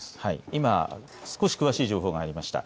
今、少し詳しい情報が出ました。